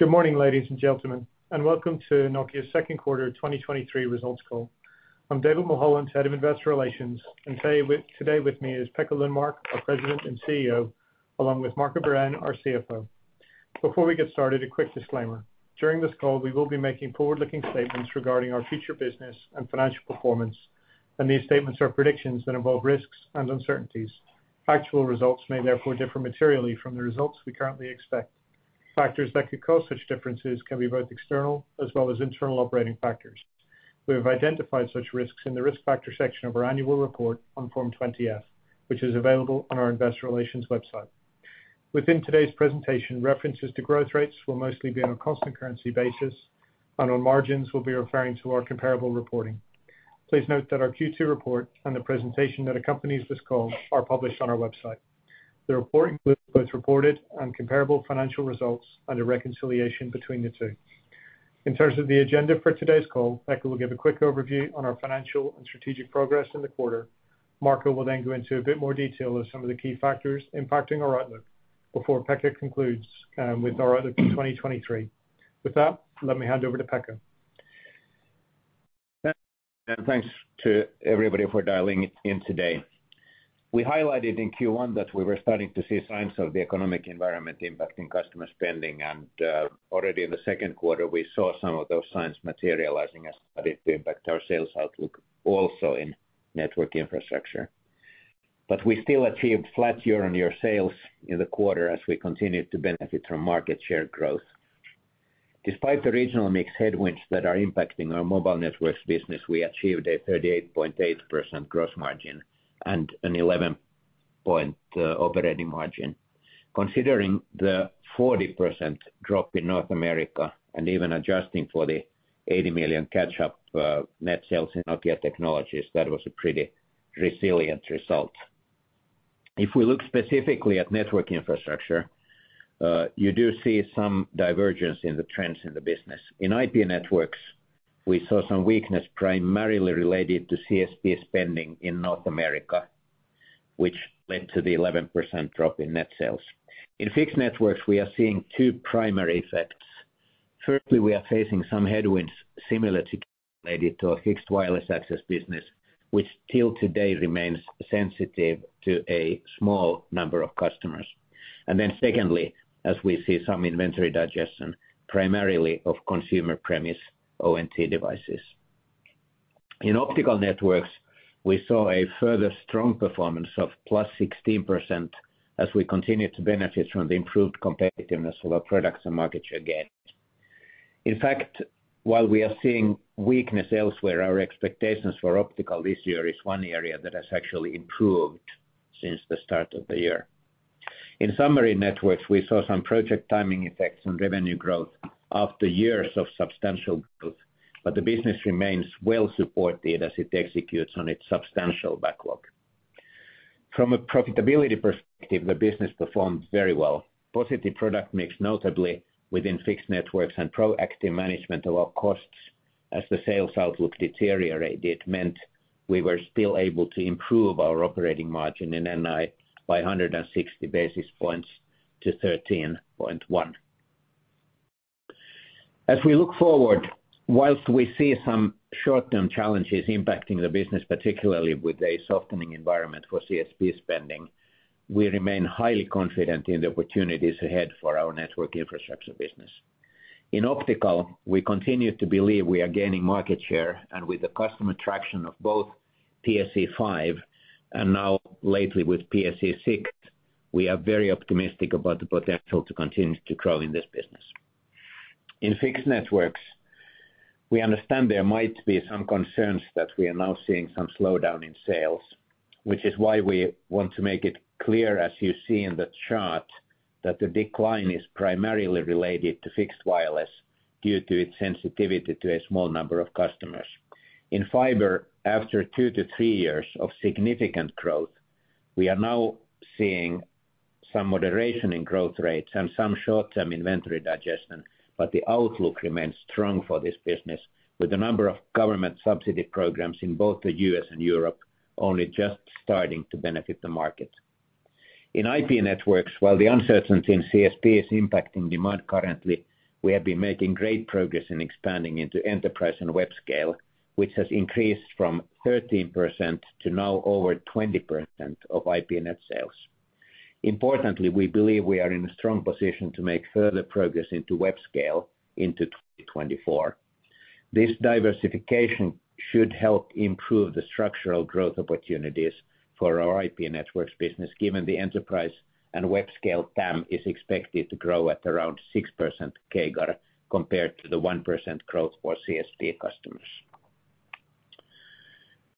Good morning, ladies and gentlemen, and welcome to Nokia's second quarter of 2023 results call. I'm David Mulholland, Head of Investor Relations, and today with me is Pekka Lundmark, our President and CEO, along with Marco Wirén, our CFO. Before we get started, a quick disclaimer. During this call, we will be making forward-looking statements regarding our future business and financial performance, and these statements are predictions that involve risks and uncertainties. Actual results may therefore differ materially from the results we currently expect. Factors that could cause such differences can be both external as well as internal operating factors. We have identified such risks in the risk factors section of our annual report on Form 20-F, which is available on our investor relations website. Within today's presentation, references to growth rates will mostly be on a constant currency basis. On margins, we'll be referring to our comparable reporting. Please note that our Q2 report and the presentation that accompanies this call are published on our website. The report includes both reported and comparable financial results and a reconciliation between the two. In terms of the agenda for today's call, Pekka will give a quick overview on our financial and strategic progress in the quarter. Marco will then go into a bit more detail of some of the key factors impacting our outlook before Pekka concludes with our outlook for 2023. With that, let me hand over to Pekka. Thanks to everybody for dialing in today. We highlighted in Q1 that we were starting to see signs of the economic environment impacting customer spending, already in the second quarter, we saw some of those signs materializing as started to impact our sales outlook also in Network Infrastructure. We still achieved flat year-on-year sales in the quarter as we continued to benefit from market share growth. Despite the regional mix headwinds that are impacting our Mobile Networks business, we achieved a 38.8% gross margin and an 11% operating margin. Considering the 40% drop in North America and even adjusting for the 80 million catch-up net sales in Nokia Technologies, that was a pretty resilient result. If we look specifically at Network Infrastructure, you do see some divergence in the trends in the business. In IP Networks, we saw some weakness primarily related to CSP spending in North America, which led to the 11% drop in net sales. In Fixed Networks, we are seeing two primary effects. Firstly, we are facing some headwinds similar to related to our fixed wireless access business, which till today, remains sensitive to a small number of customers. Then secondly, as we see some inventory digestion, primarily of consumer premise ONT devices. In Optical Networks, we saw a further strong performance of +16% as we continued to benefit from the improved competitiveness of our products and market share gain. In fact, while we are seeing weakness elsewhere, our expectations for Optical this year is one area that has actually improved since the start of the year. In summary, networks, we saw some project timing effects on revenue growth after years of substantial growth, but the business remains well supported as it executes on its substantial backlog. From a profitability perspective, the business performed very well. Positive product mix, notably within Fixed Networks and proactive management of our costs as the sales outlook deteriorated, meant we were still able to improve our operating margin in NI by 160 basis points to 13.1%. As we look forward, whilst we see some short-term challenges impacting the business, particularly with a softening environment for CSP spending, we remain highly confident in the opportunities ahead for our Network Infrastructure business. In optical, we continue to believe we are gaining market share, and with the customer traction of both PSE-V and now lately with PSE-6s, we are very optimistic about the potential to continue to grow in this business. In fixed networks, we understand there might be some concerns that we are now seeing some slowdown in sales, which is why we want to make it clear, as you see in the chart, that the decline is primarily related to fixed wireless due to its sensitivity to a small number of customers. In fiber, after 2-3 years of significant growth, we are now seeing some moderation in growth rates and some short-term inventory digestion, but the outlook remains strong for this business, with a number of government subsidy programs in both the U.S. and Europe only just starting to benefit the market. In IP Networks, while the uncertainty in CSP is impacting demand currently, we have been making great progress in expanding into enterprise and web scale, which has increased from 13% to now over 20% of IP net sales. We believe we are in a strong position to make further progress into web scale into 2024. This diversification should help improve the structural growth opportunities for our IP Networks business, given the enterprise and web scale TAM is expected to grow at around 6% CAGR, compared to the 1% growth for CSP customers.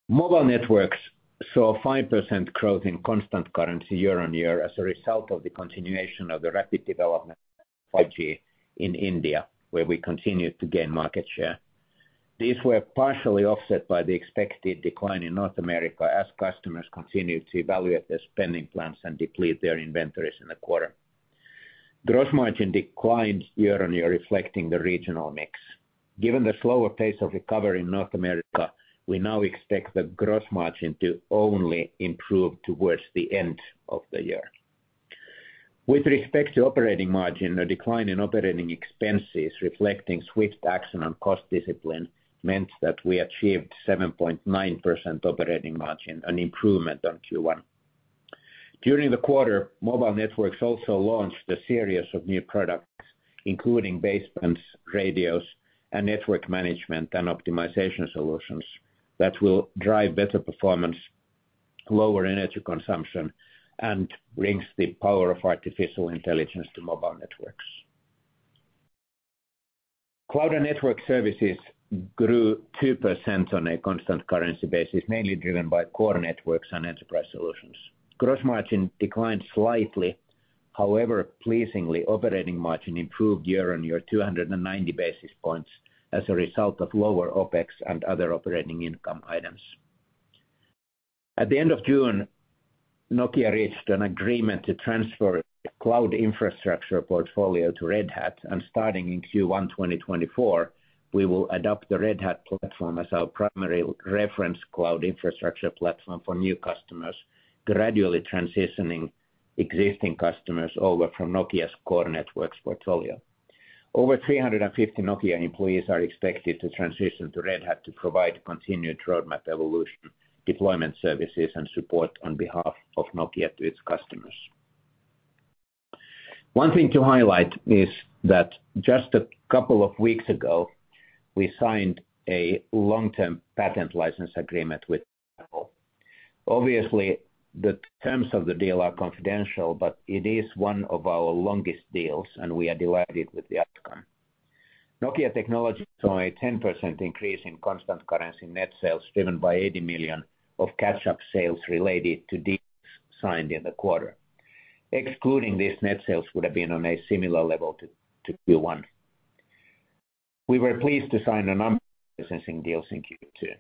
Mobile Networks saw a 5% growth in constant currency year-on-year as a result of the continuation of the rapid development of 5G in India, where we continued to gain market share. These were partially offset by the expected decline in North America as customers continued to evaluate their spending plans and deplete their inventories in the quarter. gross margin declined year-on-year, reflecting the regional mix. Given the slower pace of recovery in North America, we now expect the gross margin to only improve towards the end of the year. With respect to operating margin, a decline in operating expenses, reflecting swift action on cost discipline, meant that we achieved 7.9% operating margin, an improvement on Q1. During the quarter, Mobile Networks also launched a series of new products, including basebands, radios, and network management and optimization solutions that will drive better performance, lower energy consumption, and brings the power of artificial intelligence to Mobile Networks. Cloud and Network Services grew 2% on a constant currency basis, mainly driven by core networks and enterprise solutions. Gross margin declined slightly. Pleasingly, operating margin improved year-on-year, 290 basis points, as a result of lower OpEx and other operating income items. At the end of June, Nokia reached an agreement to transfer cloud infrastructure portfolio to Red Hat, and starting in Q1 2024, we will adopt the Red Hat platform as our primary reference cloud infrastructure platform for new customers, gradually transitioning existing customers over from Nokia's core networks portfolio. Over 350 Nokia employees are expected to transition to Red Hat to provide continued roadmap evolution, deployment services, and support on behalf of Nokia to its customers. One thing to highlight is that just a couple of weeks ago, we signed a long-term patent license agreement with Apple. Obviously, the terms of the deal are confidential, but it is one of our longest deals, and we are delighted with the outcome. Nokia Technologies saw a 10% increase in constant currency net sales, driven by 80 million of catch-up sales related to deals signed in the quarter. Excluding these net sales would have been on a similar level to Q1. We were pleased to sign a number of licensing deals in Q2.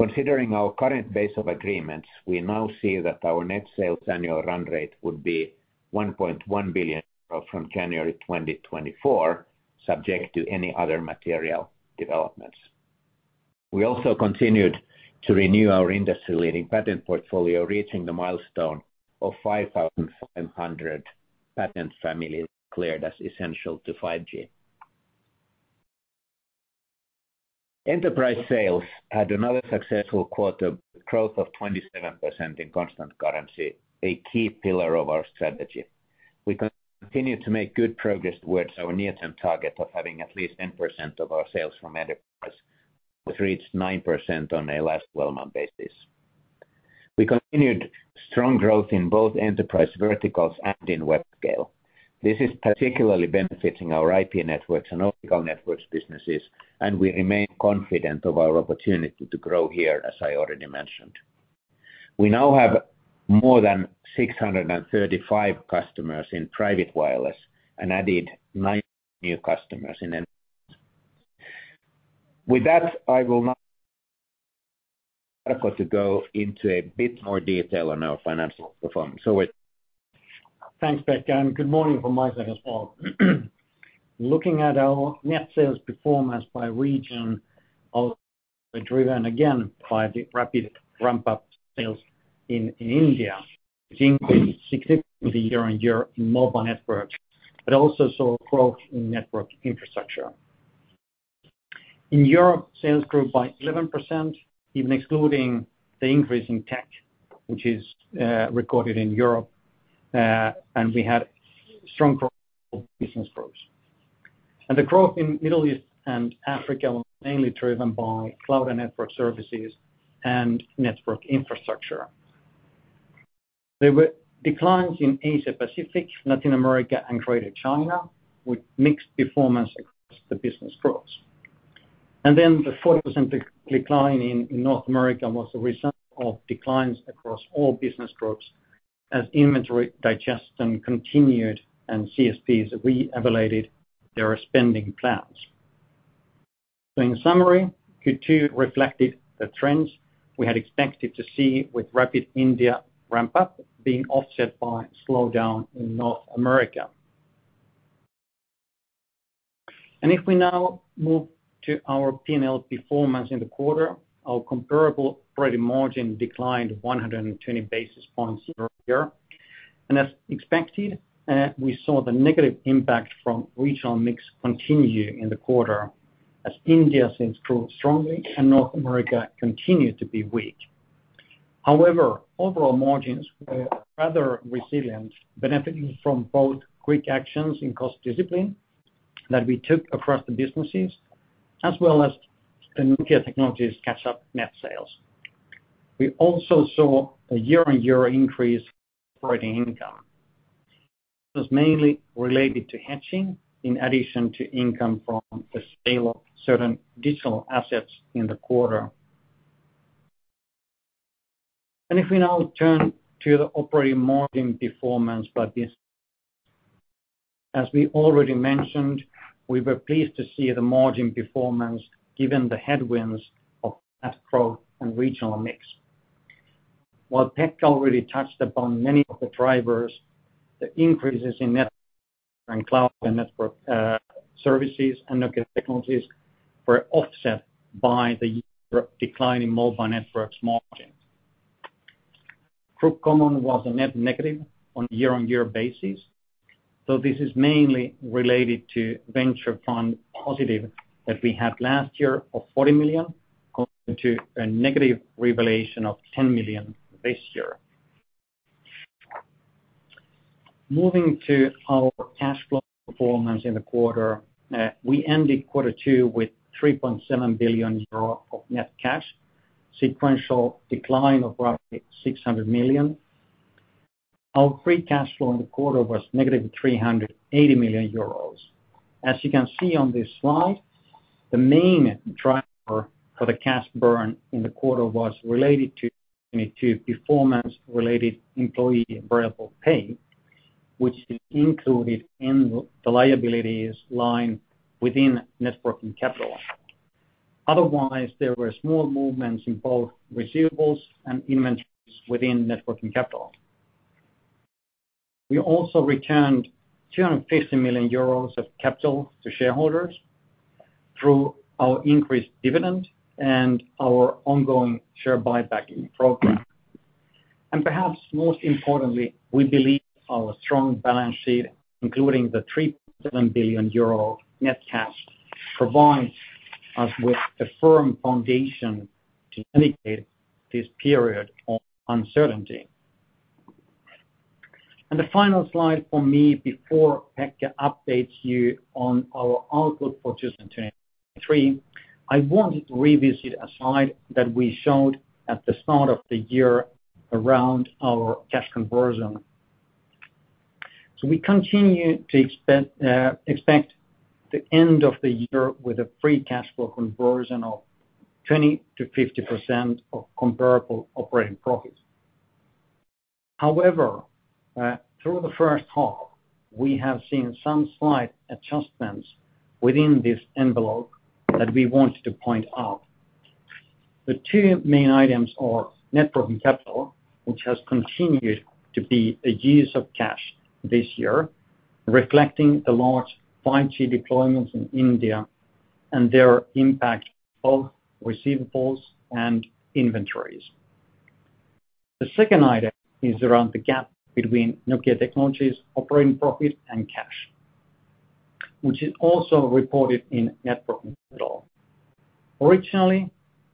Considering our current base of agreements, we now see that our net sales annual run rate would be 1.1 billion from January 2024, subject to any other material developments. We also continued to renew our industry-leading patent portfolio, reaching the milestone of 5,500 patent families declared as essential to 5G. Enterprise sales had another successful quarter, with growth of 27% in constant currency, a key pillar of our strategy. We continue to make good progress towards our near-term target of having at least 10% of our sales from enterprise, which reached 9% on a last 12-month basis. We continued strong growth in both enterprise verticals and in web scale. We remain confident of our opportunity to grow here, as I already mentioned. We now have more than 635 customers in private wireless and added nine new customers in enterprise. With that, I will now Marco to go into a bit more detail on our financial performance. Thanks, Pekka, good morning from my side as well. Looking at our net sales performance by region, are driven again by the rapid ramp-up sales in India, which increased significantly year-on-year in Mobile Networks, but also saw growth in Network Infrastructure. In Europe, sales grew by 11%, even excluding the increase in tech, which is recorded in Europe, and we had strong business growth. The growth in Middle East and Africa was mainly driven by Cloud and Network Services and Network Infrastructure. There were declines in Asia Pacific, Latin America, and Greater China, with mixed performance across the business groups. The 4% decline in North America was a result of declines across all business groups as inventory digestion continued and CSPs re-evaluated their spending plans. In summary, Q2 reflected the trends we had expected to see with rapid India ramp-up being offset by slowdown in North America. If we now move to our P&L performance in the quarter, our comparable operating margin declined 120 basis points year-on-year. As expected, we saw the negative impact from regional mix continue in the quarter as India sales grew strongly and North America continued to be weak. However, overall margins were rather resilient, benefiting from both quick actions in cost discipline that we took across the businesses, as well as the Nokia Technologies' catch-up net sales. We also saw a year-on-year increase in operating income. This was mainly related to hedging, in addition to income from the sale of certain digital assets in the quarter. If we now turn to the operating margin performance by business. As we already mentioned, we were pleased to see the margin performance given the headwinds of growth and regional mix. While Pekka already touched upon many of the drivers, the increases in net and Cloud and Network Services and Nokia Technologies were offset by the decline in Mobile Networks margins. Group common was a net negative on a year-on-year basis, so this is mainly related to venture fund positive that we had last year of 40 million, compared to a negative revelation of 10 million this year. Moving to our cash flow performance in the quarter, we ended quarter two with 3.7 billion euro of net cash, sequential decline of roughly 600 million. Our free cash flow in the quarter was negative 380 million euros. As you can see on this slide, the main driver for the cash burn in the quarter was related to performance-related employee variable pay, which is included in the liabilities line within networking capital. Otherwise, there were small movements in both receivables and inventories within networking capital. We also returned 250 million euros of capital to shareholders through our increased dividend and our ongoing share buybacking program. Perhaps most importantly, we believe our strong balance sheet, including the 3 billion euro net cash, provides us with a firm foundation to navigate this period of uncertainty. The final slide for me before Pekka updates you on our outlook for 2023, I wanted to revisit a slide that we showed at the start of the year around our cash conversion. We continue to expect the end of the year with a free cash flow conversion of 20%-50% of comparable operating profits. However, through the first half, we have seen some slight adjustments within this envelope that we wanted to point out. The two main items are net working capital, which has continued to be a use of cash this year, reflecting the large 5G deployments in India and their impact of receivables and inventories. The second item is around the gap between Nokia Technologies' operating profit and cash, which is also reported in net working capital. Originally,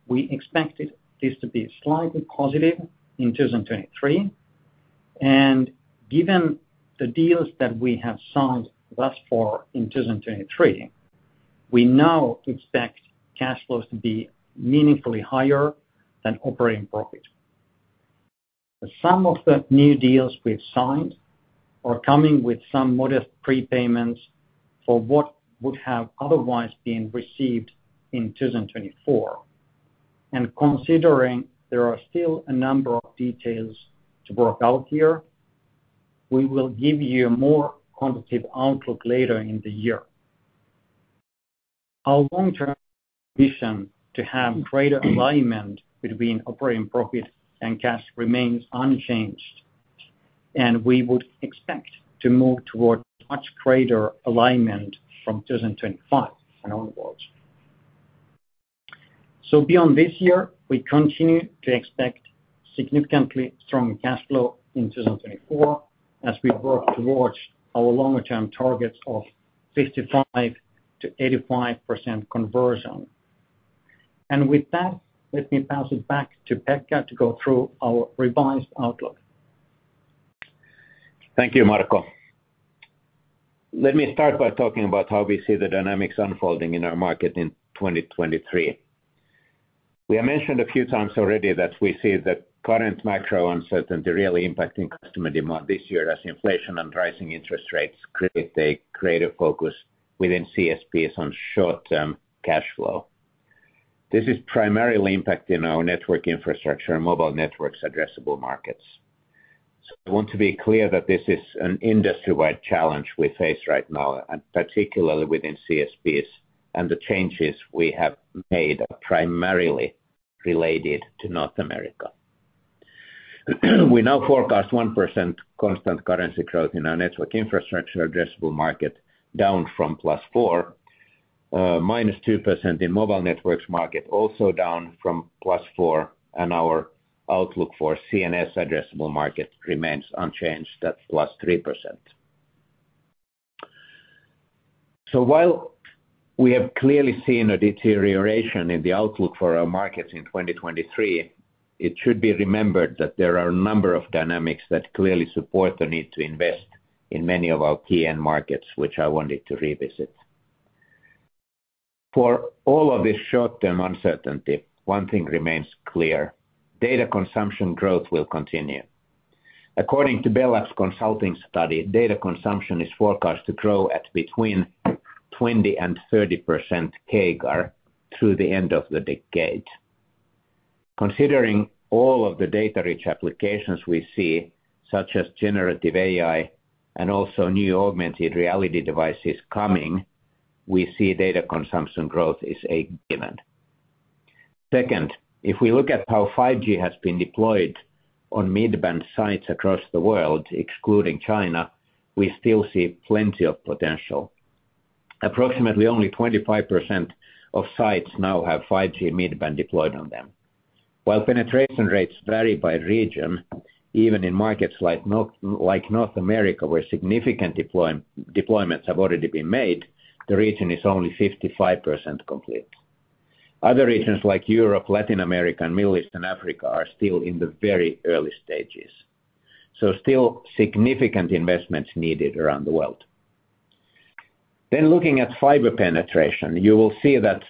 we expected this to be slightly positive in 2023, and given the deals that we have signed thus far in 2023, we now expect cash flows to be meaningfully higher than operating profit. Some of the new deals we've signed are coming with some modest prepayments for what would have otherwise been received in 2024. Considering there are still a number of details to work out here, we will give you a more quantitative outlook later in the year. Our long-term mission to have greater alignment between operating profit and cash remains unchanged, and we would expect to move towards much greater alignment from 2025 and onwards. Beyond this year, we continue to expect significantly strong cash flow in 2024 as we work towards our longer term targets of 55%-85% conversion. With that, let me pass it back to Pekka to go through our revised outlook. Thank you, Marco. Let me start by talking about how we see the dynamics unfolding in our market in 2023. We have mentioned a few times already that we see the current macro uncertainty really impacting customer demand this year as inflation and rising interest rates create a greater focus within CSPs on short-term cash flow. This is primarily impacting our Network Infrastructure and Mobile Networks addressable markets. I want to be clear that this is an industry-wide challenge we face right now, and particularly within CSPs, and the changes we have made are primarily related to North America. We now forecast 1% constant currency growth in our Network Infrastructure addressable market, down from +4%, -2% in Mobile Networks market, also down from +4%, and our outlook for CNS addressable market remains unchanged, that's +3%. While we have clearly seen a deterioration in the outlook for our markets in 2023, it should be remembered that there are a number of dynamics that clearly support the need to invest in many of our key end markets, which I wanted to revisit. For all of this short-term uncertainty, one thing remains clear, data consumption growth will continue. According to Bell Labs consulting study, data consumption is forecast to grow at between 20% and 30% CAGR through the end of the decade. Considering all of the data-rich applications we see, such as generative AI and also new augmented reality devices coming? We see data consumption growth is a given. Second, if we look at how 5G has been deployed on mid-band sites across the world, excluding China, we still see plenty of potential. Approximately only 25% of sites now have 5G mid-band deployed on them. While penetration rates vary by region, even in markets like North America, where significant deployments have already been made, the region is only 55% complete. Other regions like Europe, Latin America, and Middle East and Africa, are still in the very early stages. Still significant investments needed around the world. Looking at fiber penetration, you will see that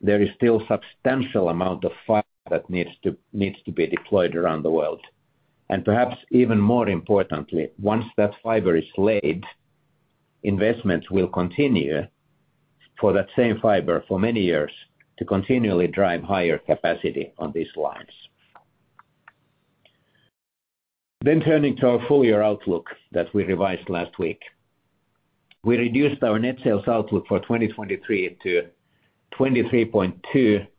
there is still substantial amount of fiber that needs to be deployed around the world. Perhaps even more importantly, once that fiber is laid, investments will continue for that same fiber for many years to continually drive higher capacity on these lines. Turning to our full year outlook that we revised last week. We reduced our net sales outlook for 2023 to 23.2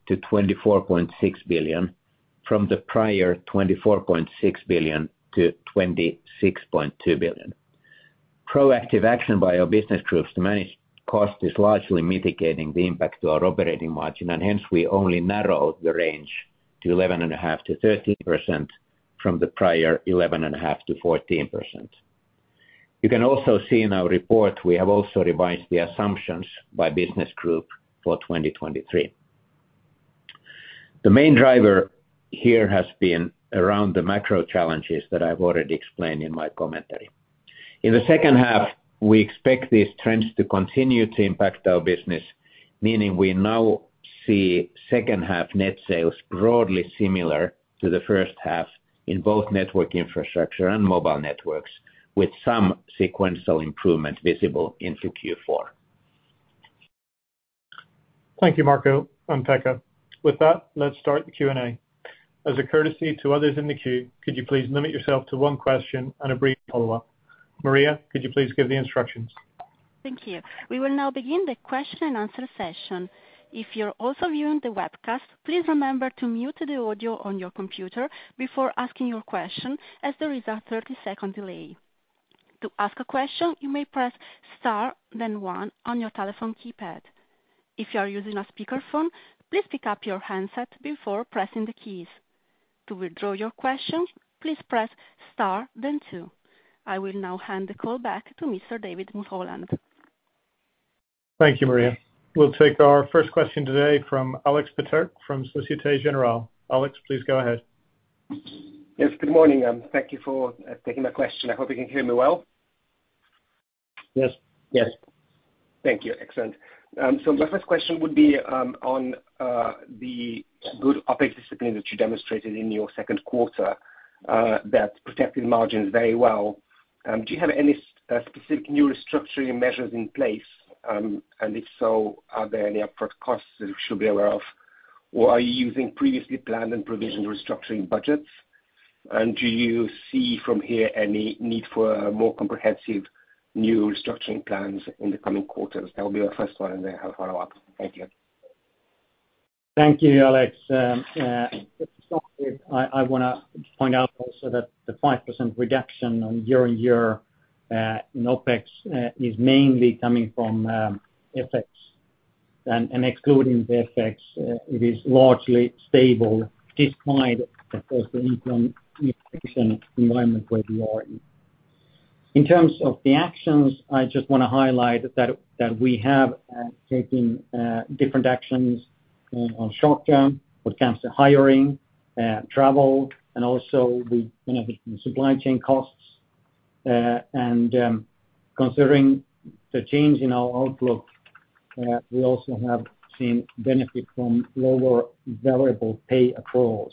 billion-24.6 billion, from the prior 24.6 billion-26.2 billion. Proactive action by our business groups to manage cost is largely mitigating the impact to our operating margin, and hence, we only narrowed the range to 11.5%-13% from the prior 11.5%-14%. You can also see in our report, we have also revised the assumptions by business group for 2023. The main driver here has been around the macro challenges that I've already explained in my commentary. In the second half, we expect these trends to continue to impact our business, meaning we now see second half net sales broadly similar to the first half in both Network Infrastructure and Mobile Networks, with some sequential improvement visible into Q4. Thank you, Marco and Pekka. With that, let's start the Q&A. As a courtesy to others in the queue, could you please limit yourself to one question and a brief follow-up? Maria, could you please give the instructions? Thank you. We will now begin the question and answer session. If you're also viewing the webcast, please remember to mute the audio on your computer before asking your question, as there is a 30-second delay. To ask a question, you may press star, then one on your telephone keypad. If you are using a speakerphone, please pick up your handset before pressing the keys. To withdraw your question, please press star, then two. I will now hand the call back to Mr. David Mulholland. Thank you, Maria. We'll take our first question today from Alex Peter from Société Générale. Alex, please go ahead. Good morning, thank you for taking my question. I hope you can hear me well. Yes. Yes. Thank you. Excellent. My first question would be on the good OpEx discipline that you demonstrated in your second quarter that protected margins very well. Do you have any specific new restructuring measures in place? If so, are there any upfront costs that we should be aware of? Are you using previously planned and provisioned restructuring budgets? Do you see from here any need for a more comprehensive new restructuring plans in the coming quarters? That will be my first one, and then I'll have a follow-up. Thank you. Thank you, Alex. I wanna point out also that the 5% reduction on year-on-year in OpEx is mainly coming from FX. Excluding the FX, it is largely stable, despite, of course, the economic environment where we are in. In terms of the actions, I just wanna highlight that we have taken different actions on short-term, when it comes to hiring, travel, and also we benefit from supply chain costs. Considering the change in our outlook, we also have seen benefit from lower variable pay across.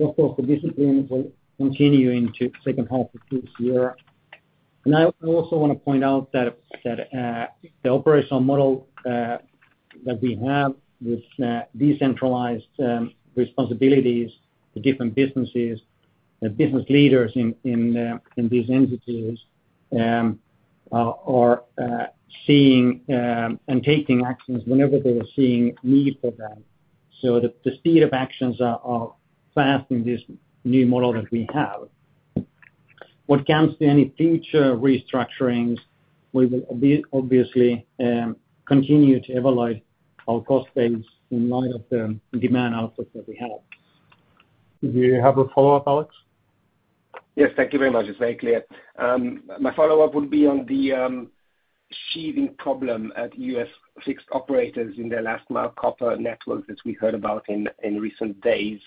Of course, the discipline will continue into second half of this year. I also wanna point out that the operational model that we have with decentralized responsibilities to different businesses, the business leaders in these entities are seeing and taking actions whenever they are seeing need for them. The speed of actions are fast in this new model that we have. What comes to any future restructurings, we will be obviously continue to evaluate our cost base in light of the demand outlook that we have. Do you have a follow-up, Alex? Yes, thank you very much. It's very clear. My follow-up would be on the sheathing problem at U.S. fixed operators in their last mile copper network that we heard about in recent days.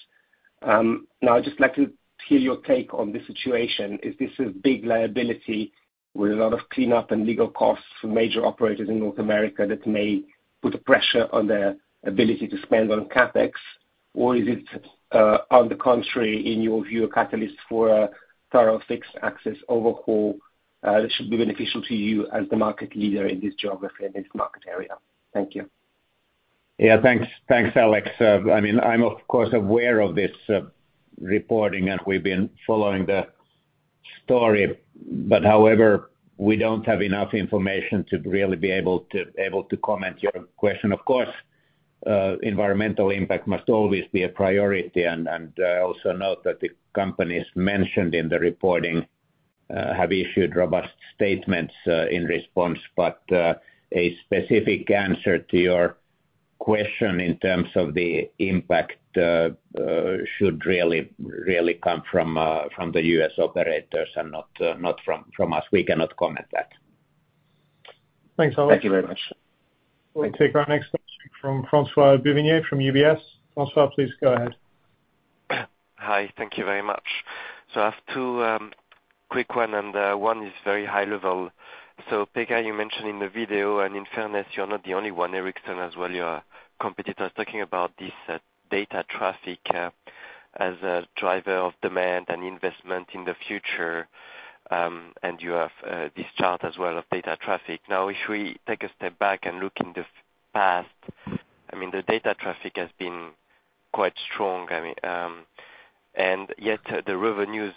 Now, I'd just like to hear your take on this situation. Is this a big liability with a lot of cleanup and legal costs for major operators in North America that may put a pressure on their ability to spend on CapEx? Or is it, on the contrary, in your view, a catalyst for a thorough fixed access overhaul, that should be beneficial to you as the market leader in this geography and this market area? Thank you. Yeah, thanks. Thanks, Alex. I mean, I'm of course, aware of this reporting, we've been following the story, however, we don't have enough information to really be able to comment your question. Of course, environmental impact must always be a priority, and I also note that the companies mentioned in the reporting have issued robust statements in response. A specific answer to your question in terms of the impact should really come from the U.S. operators and not from us. We cannot comment that. Thanks a lot. Thank you very much. We'll take our next question from Francois-Xavier Bouvignies from UBS. Francois, please go ahead. Hi, thank you very much. I have two quick one, and one is very high level. Pekka, you mentioned in the video, and in fairness, you are not the only one, Ericsson as well, your competitor, is talking about this data traffic as a driver of demand and investment in the future. You have this chart as well of data traffic. Now, if we take a step back and look in the past, I mean, the data traffic has been quite strong. I mean, and yet, the revenues,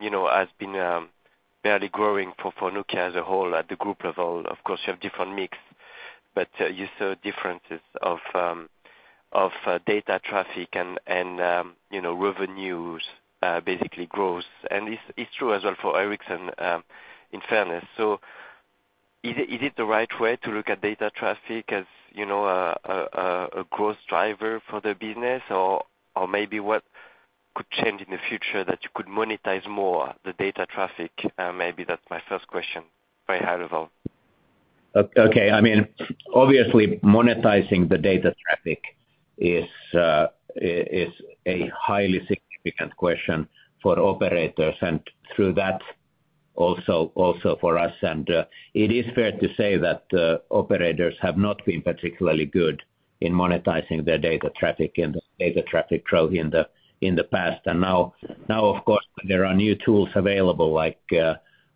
you know, has been barely growing for Nokia as a whole at the group level. Of course, you have different mix, but you saw differences of data traffic and, you know, revenues, basically growth. This is true as well for Ericsson, in fairness. Is it the right way to look at data traffic as, you know, a growth driver for the business? Or maybe what could change in the future that you could monetize more the data traffic? Maybe that's my first question. Very high level. Okay. I mean, obviously monetizing the data traffic is a highly significant question for operators, and through that, also for us. It is fair to say that operators have not been particularly good in monetizing their data traffic and data traffic growth in the past. Now, of course, there are new tools available, like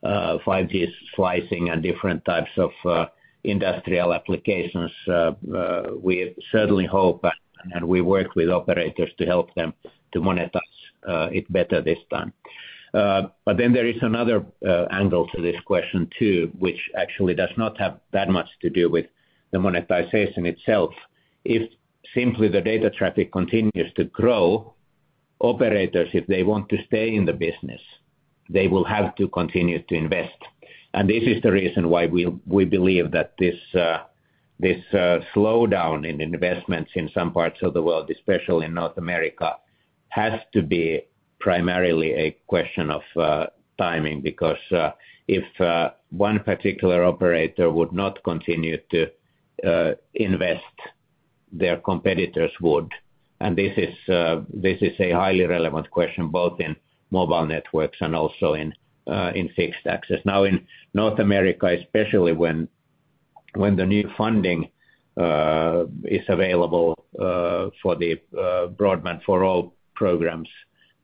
5G slicing and different types of industrial applications. We certainly hope and we work with operators to help them to monetize it better this time. There is another angle to this question, too, which actually does not have that much to do with the monetization itself. If simply the data traffic continues to grow, operators, if they want to stay in the business, they will have to continue to invest. This is the reason why we believe that this slowdown in investments in some parts of the world, especially in North America, has to be primarily a question of timing. If one particular operator would not continue to invest, their competitors would. This is a highly relevant question, both in mobile networks and also in fixed access. In North America, especially when the new funding is available for the Broadband for All programs,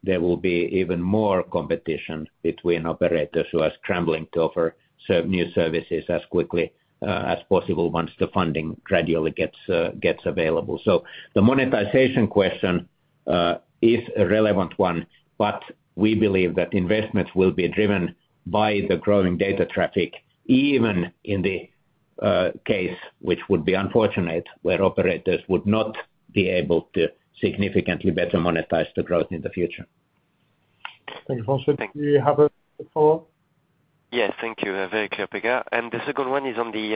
there will be even more competition between operators who are scrambling to offer new services as quickly as possible, once the funding gradually gets available. The monetization question is a relevant one, but we believe that investments will be driven by the growing data traffic, even in the case, which would be unfortunate, where operators would not be able to significantly better monetize the growth in the future. Thank you, Francois. Do you have a follow-up? Yes. Thank you. very clear, Pekka. The second one is on the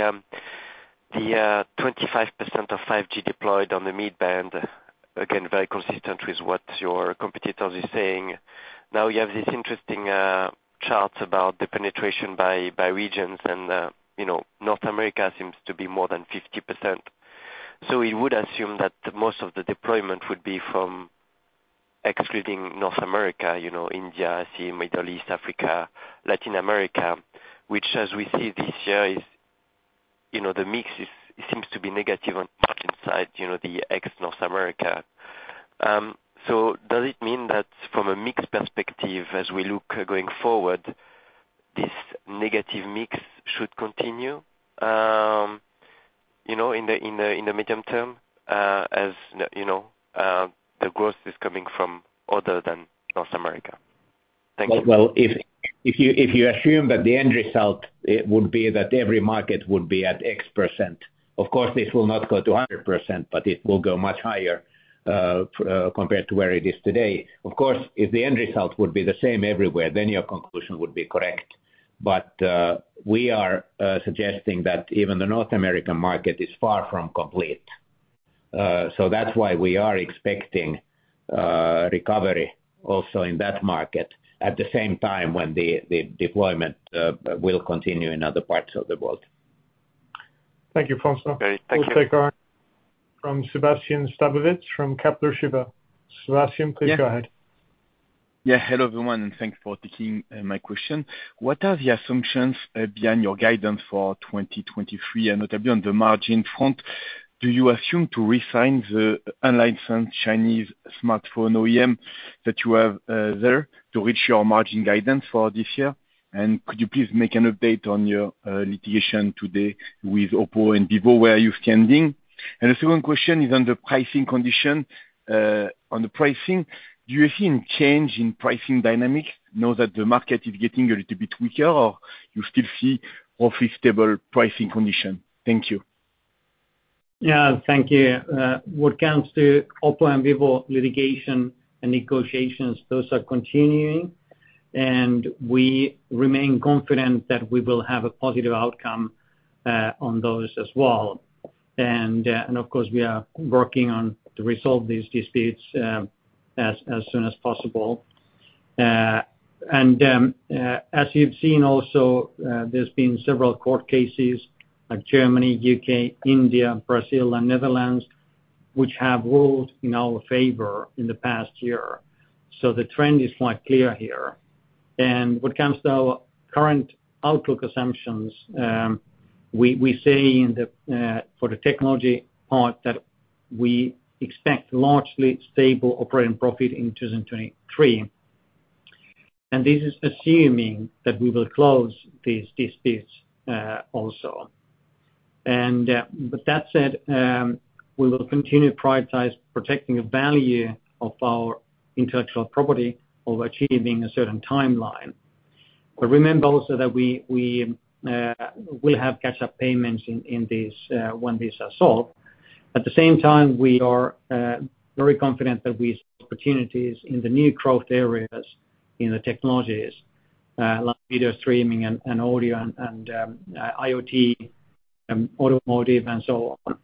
25% of 5G deployed on the mid-band. Again, very consistent with what your competitors are saying. You have this interesting chart about the penetration by regions, and, you know, North America seems to be more than 50%. We would assume that most of the deployment would be from excluding North America, you know, India, I see Middle East, Africa, Latin America, which as we see this year, you know, the mix seems to be negative on inside, you know, the ex-North America. Does it mean that from a mix perspective, as we look going forward, this negative mix should continue, you know, in the medium term, as, you know, the growth is coming from other than North America? Thank you. Well, if you assume that the end result, it would be that every market would be at X%, of course, this will not go to 100%, but it will go much higher compared to where it is today. Of course, if the end result would be the same everywhere, then your conclusion would be correct. We are suggesting that even the North American market is far from complete. That's why we are expecting recovery also in that market, at the same time, when the deployment will continue in other parts of the world. Thank you, Francois. Okay. Thank you. We'll take from Sébastien Sztabowicz from Kepler Cheuvreux. Sebastian, please go ahead. Hello, everyone, thanks for taking my question. What are the assumptions behind your guidance for 2023, notably on the margin front? Do you assume to resign the unlicensed Chinese smartphone OEM that you have there, to reach your margin guidance for this year. Could you please make an update on your litigation today with Oppo and Vivo? Where are you standing? The second question is on the pricing condition. On the pricing, do you see any change in pricing dynamics now that the market is getting a little bit weaker, or you still see all fixed stable pricing condition? Thank you. Yeah, thank you. What comes to Oppo and Vivo litigation and negotiations, those are continuing, and we remain confident that we will have a positive outcome on those as well. Of course, we are working on to resolve these disputes as soon as possible. As you've seen also, there's been several court cases like Germany, UK, India, Brazil, and Netherlands, which have ruled in our favor in the past year. The trend is quite clear here. What comes to our current outlook assumptions, we say in the for the technology part, that we expect largely stable operating profit in 2023. This is assuming that we will close these disputes also. That said, we will continue to prioritize protecting the value of our intellectual property over achieving a certain timeline. Remember also that we will have catch-up payments in this when this are solved. At the same time, we are very confident that we see opportunities in the new growth areas, in the technologies like video streaming and audio and IoT, and automotive, and so on.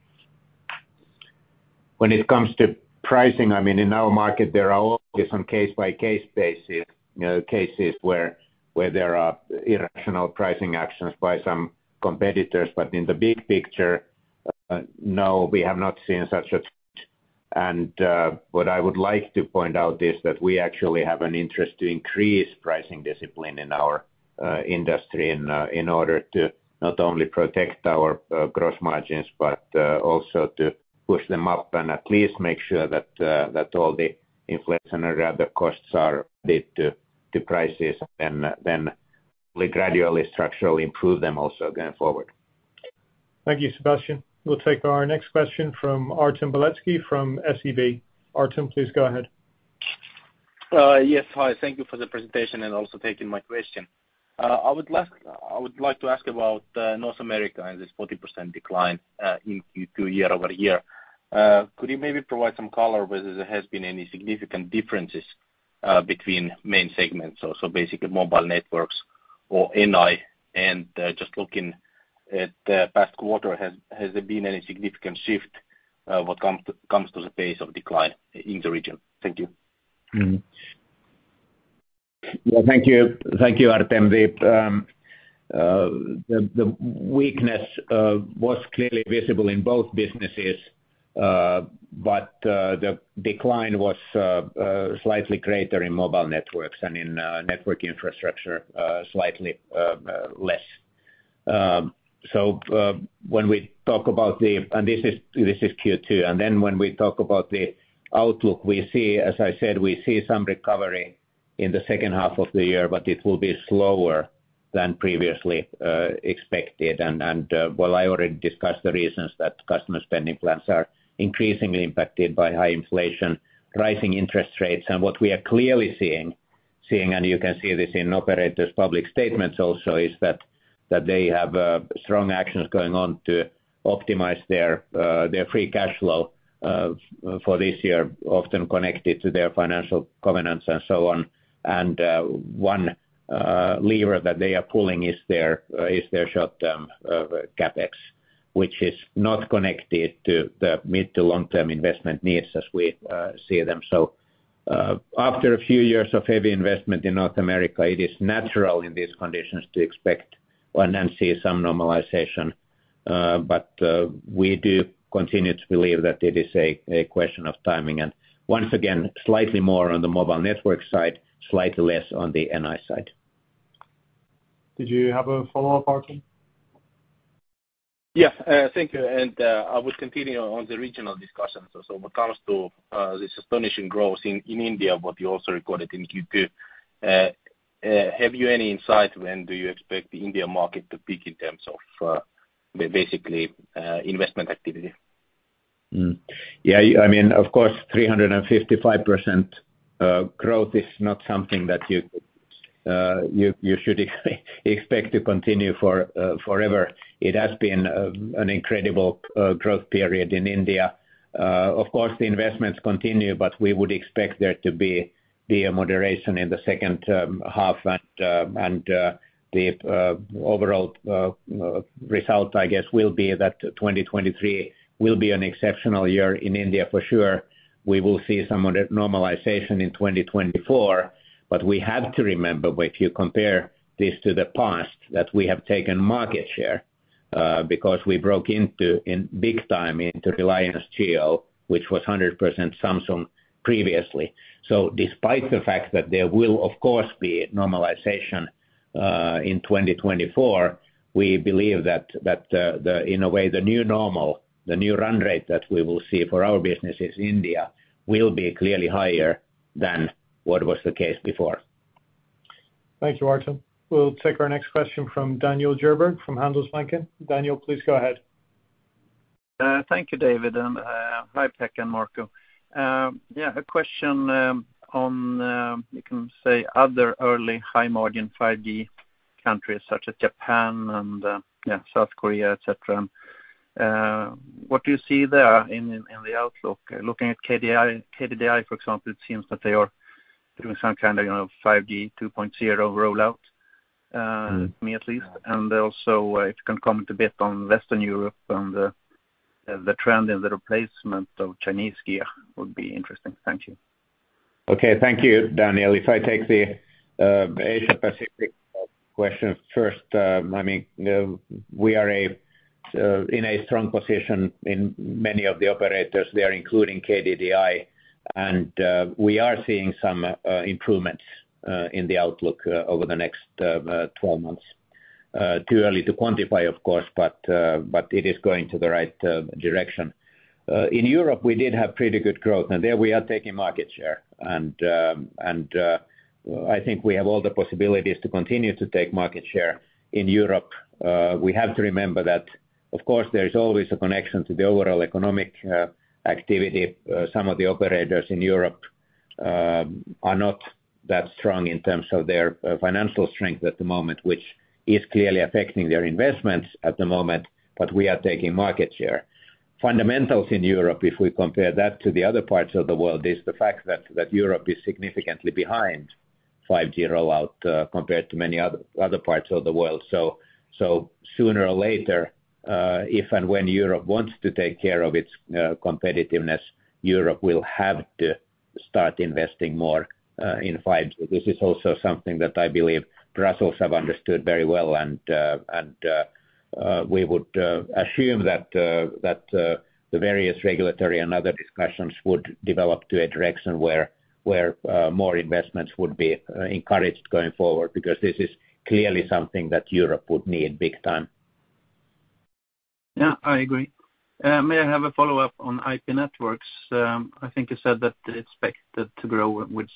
When it comes to pricing, I mean, in our market, there are always some case-by-case basis, you know, cases where there are irrational pricing actions by some competitors. In the big picture, no, we have not seen such a thing. What I would like to point out is that we actually have an interest to increase pricing discipline in our industry, in order to not only protect our gross margins, but also to push them up and at least make sure that all the inflation and other costs are paid to prices, and then we gradually, structurally improve them also going forward. Thank you, Sebastian. We'll take our next question from Artem Beletski, from SEB. Artem, please go ahead. Yes. Hi, thank you for the presentation and also taking my question. I would like to ask about North America and this 40% decline in Q2 year-over-year. Could you maybe provide some color whether there has been any significant differences between main segments, or so basically Mobile Networks or NI? Just looking at the past quarter, has there been any significant shift what comes to the pace of decline in the region? Thank you. Mm-hmm. Well, thank you. Thank you, Artem. The, um, uh, the, the weakness, uh, was clearly visible in both businesses, uh, but, uh, the decline was, uh, uh, slightly greater in Mobile Networks and in, uh, Network Infrastructure, uh, slightly, uh, uh, less. Uh, so, uh, when we talk about the... And this is, this is Q2, and then when we talk about the outlook, we see, as I said, we see some recovery in the second half of the year, but it will be slower than previously, uh, expected. And, and, uh, well, I already discussed the reasons that customer spending plans are increasingly impacted by high inflation, rising interest rates. What we are clearly seeing, and you can see this in operators' public statements also, is that they have strong actions going on to optimize their free cash flow for this year, often connected to their financial covenants and so on. One lever that they are pulling is their short-term CapEx, which is not connected to the mid to long-term investment needs as we see them. After a few years of heavy investment in North America, it is natural in these conditions to expect or then see some normalization. We do continue to believe that it is a question of timing. Once again, slightly more on the Mobile Networks side, slightly less on the NI side. Did you have a follow-up, Artem? Yes, thank you. I would continue on the regional discussions. What comes to this astonishing growth in India, what you also recorded in Q2. Have you any insight when do you expect the India market to peak in terms of basically investment activity? I mean, of course, 355% growth is not something that you should expect to continue forever. It has been an incredible growth period in India. Of course, the investments continue, but we would expect there to be a moderation in the second half. The overall result, I guess, will be that 2023 will be an exceptional year in India for sure. We will see some other normalization in 2024, but we have to remember, if you compare this to the past, that we have taken market share because we broke into, in big time into Reliance Jio, which was 100% Samsung previously. Despite the fact that there will, of course, be normalization, in 2024, we believe that, the, in a way, the new normal, the new run rate that we will see for our business in India, will be clearly higher than what was the case before. Thank you, Artem. We'll take our next question from Daniel Djurberg from Handelsbanken. Daniel, please go ahead. Thank you, David, and hi, Pekka and Marco. Yeah, a question on you can say other early high-margin 5G countries, such as Japan and South Korea, et cetera. What do you see there in the outlook? Looking at KDI, KDDI, for example, it seems that they are doing some kind of, you know, 5G 2.0 rollout, me at least. Also, if you can comment a bit on Western Europe and the trend in the replacement of Chinese gear would be interesting. Thank you. Okay. Thank you, Daniel. If I take the Asia Pacific question first, I mean, we are in a strong position in many of the operators there, including KDDI, and we are seeing some improvements in the outlook over the next 12 months. Too early to quantify, of course, but it is going to the right direction. In Europe, we did have pretty good growth, there we are taking market share. I think we have all the possibilities to continue to take market share in Europe. We have to remember that, of course, there is always a connection to the overall economic activity. Some of the operators in Europe are not that strong in terms of their financial strength at the moment, which is clearly affecting their investments at the moment. We are taking market share. Fundamentals in Europe, if we compare that to the other parts of the world, is the fact that Europe is significantly behind 5G rollout, compared to many other parts of the world. Sooner or later, if and when Europe wants to take care of its competitiveness, Europe will have to start investing more in 5G. This is also something that I believe Brussels have understood very well, and we would assume that the various regulatory and other discussions would develop to a direction where more investments would be encouraged going forward, because this is clearly something that Europe would need big time. I agree. May I have a follow-up on IP Networks? I think you said that it's expected to grow with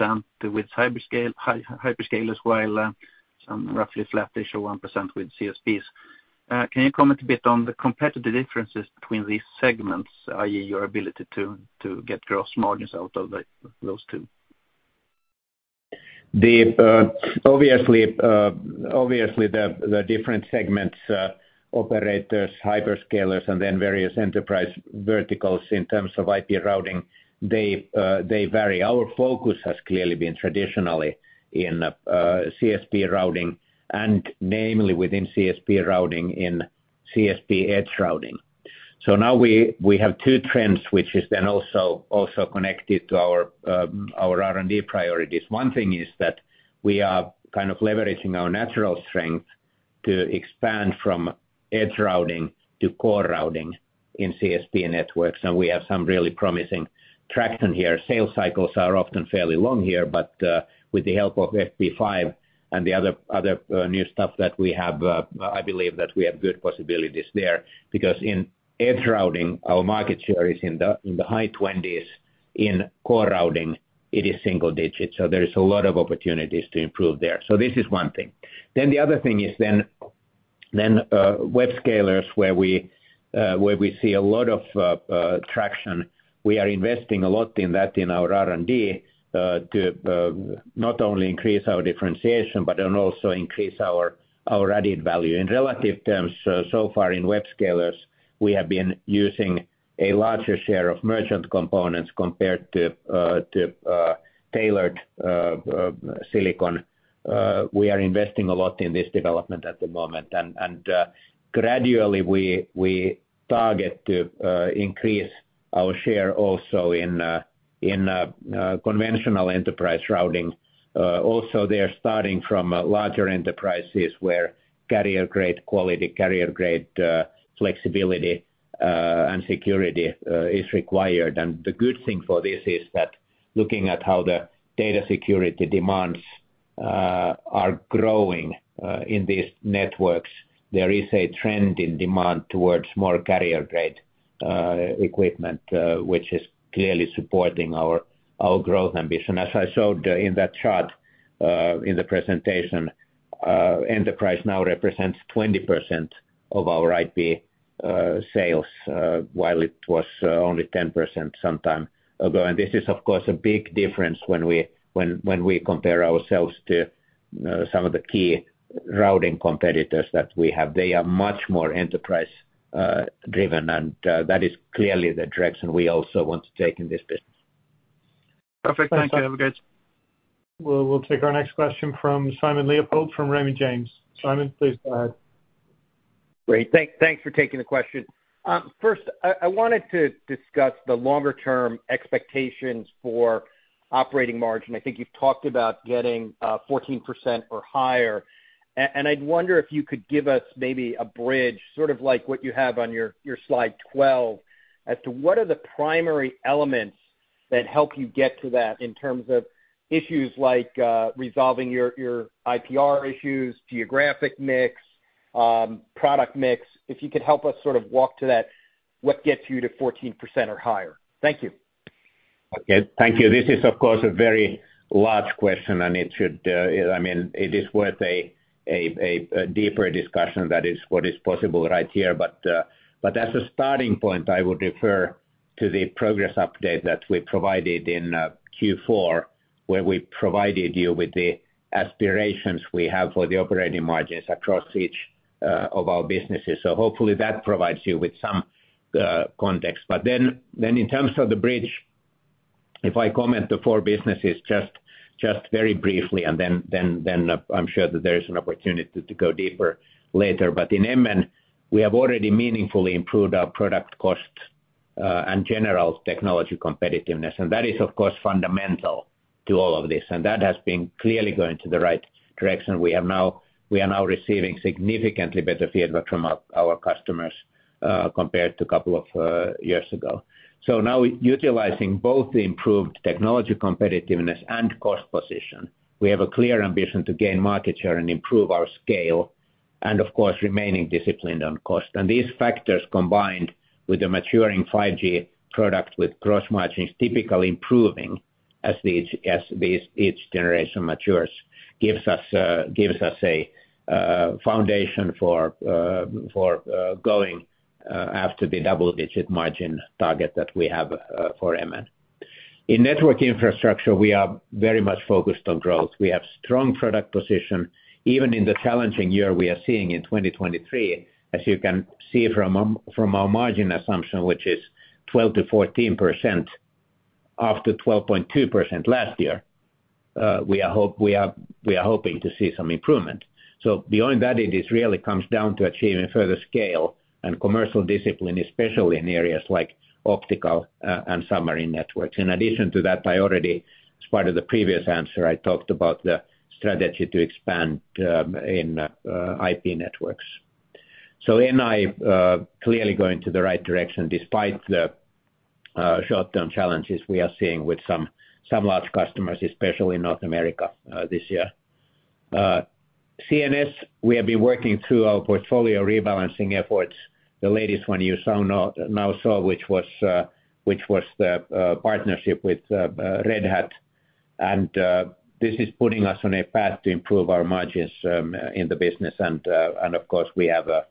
6%, with hyperscale hyperscalers, while some roughly flat-ish or 1% with CSPs. Can you comment a bit on the competitive differences between these segments, i.e., your ability to get gross margins out of those two? Obviously, the different segments, operators, hyperscalers, and then various enterprise verticals in terms of IP routing, they vary. Our focus has clearly been traditionally in CSP routing, and namely within CSP routing, in CSP edge routing. Now we have two trends, which is also connected to our R&D priorities. One thing is that we are kind of leveraging our natural strength to expand from edge routing to core routing in CSP networks, and we have some really promising traction here. Sales cycles are often fairly long here. With the help of FP5 and the other new stuff that we have, I believe that we have good possibilities there. In edge routing, our market share is in the high 20s. In core routing, it is single digits. There is a lot of opportunities to improve there. This is one thing. The other thing is then web scalers, where we see a lot of traction. We are investing a lot in that in our R&D to not only increase our differentiation, but then also increase our added value. In relative terms, so far in web scalers, we have been using a larger share of merchant components compared to tailored silicon. We are investing a lot in this development at the moment, and gradually, we target to increase our share also in conventional enterprise routing. Also, they are starting from larger enterprises where carrier-grade quality, carrier-grade flexibility and security is required. The good thing for this is that looking at how the data security demands are growing in these networks, there is a trend in demand towards more carrier-grade equipment, which is clearly supporting our growth ambition. As I showed in that chart in the presentation, enterprise now represents 20% of our IP sales, while it was only 10% some time ago. This is, of course, a big difference when we compare ourselves to some of the key routing competitors that we have. They are much more enterprise driven, and that is clearly the direction we also want to take in this business. Perfect. Thank you, have a good- We'll take our next question from Simon Leopold, from Raymond James. Simon, please go ahead. Great. Thanks for taking the question. First, I wanted to discuss the longer-term expectations for operating margin. I think you've talked about getting, 14% or higher. I'd wonder if you could give us maybe a bridge, sort of like what you have on your slide 12, as to what are the primary elements that help you get to that in terms of issues like, resolving your IPR issues, geographic mix, product mix? If you could help us sort of walk to that, what gets you to 14% or higher? Thank you. Okay, thank you. This is, of course, a very large question, and it should, I mean, it is worth a deeper discussion that is what is possible right here. As a starting point, I would refer to the progress update that we provided in Q4, where we provided you with the aspirations we have for the operating margins across each of our businesses. Hopefully that provides you with some context. Then in terms of the bridge, if I comment the four businesses just very briefly, and then I'm sure that there is an opportunity to go deeper later. In MN, we have already meaningfully improved our product costs and general technology competitiveness, and that is, of course, fundamental to all of this, and that has been clearly going to the right direction. We are now receiving significantly better feedback from our customers compared to a couple of years ago. Now we're utilizing both the improved technology competitiveness and cost position. We have a clear ambition to gain market share and improve our scale, and of course, remaining disciplined on cost. These factors, combined with the maturing 5G product, with gross margins typically improving as these each generation matures, gives us a foundation for going after the double-digit margin target that we have for MN. In Network Infrastructure, we are very much focused on growth. We have strong product position, even in the challenging year we are seeing in 2023, as you can see from our margin assumption, which is 12%-14%, up to 12.2% last year, we are hoping to see some improvement. Beyond that, it is really comes down to achieving further scale and commercial discipline, especially in areas like Optical Networks and submarine networks. In addition to that, I already, as part of the previous answer, I talked about the strategy to expand in IP Networks. NI clearly going to the right direction, despite the short-term challenges we are seeing with some large customers, especially in North America, this year. CNS, we have been working through our portfolio rebalancing efforts. The latest one you saw, which was the partnership with Red Hat. This is putting us on a path to improve our margins in the business. Of course, we have a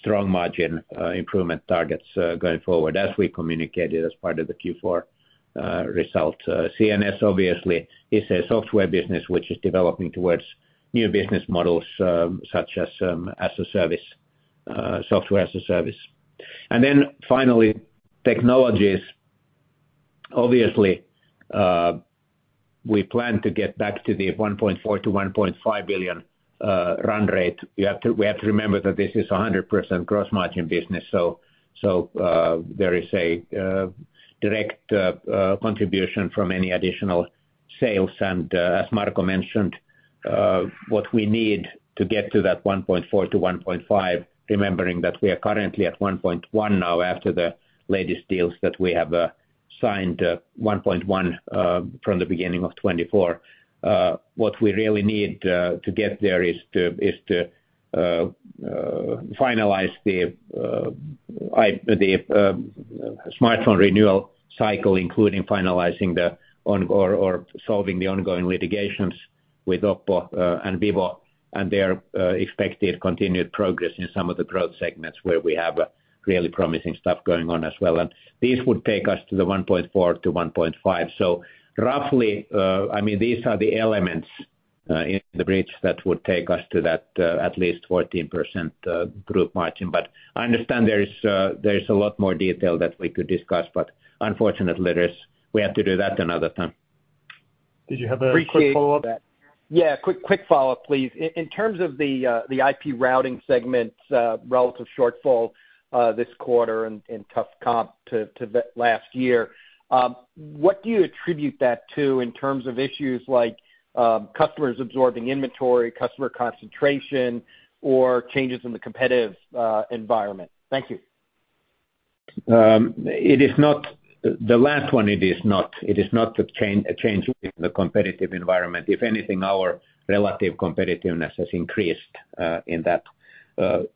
strong margin improvement targets going forward, as we communicated as part of the Q4 result. CNS, obviously, is a software business which is developing towards new business models such as as a service, software as a service. Finally, Technologies. Obviously, we plan to get back to the 1.4 billion-1.5 billion run rate. We have to remember that this is a 100% gross margin business. There is a direct contribution from any additional sales. As Marco mentioned, what we need to get to that 1.4 to 1.5, remembering that we are currently at 1.1 now, after the latest deals that we have signed, 1.1, from the beginning of 2024. What we really need to get there is to finalize the smartphone renewal cycle, including finalizing or solving the ongoing litigations with Oppo and Vivo, and their expected continued progress in some of the growth segments where we have really promising stuff going on as well. These would take us to the 1.4 to 1.5. Roughly, I mean, these are the elements, in the bridge that would take us to that, at least 14% group margin. I understand there is a lot more detail that we could discuss, but unfortunately, we have to do that another time. Did you have a quick follow-up? Quick follow-up, please. In terms of the IP routing segment's relative shortfall this quarter and tough comp to the last year, what do you attribute that to in terms of issues like customers absorbing inventory, customer concentration, or changes in the competitive environment? Thank you. It is not the last one, it is not a change in the competitive environment. If anything, our relative competitiveness has increased in that.